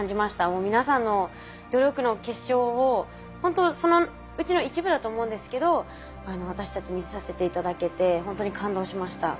もう皆さんの努力の結晶をほんとそのうちの一部だと思うんですけど私たち見させて頂けてほんとに感動しました。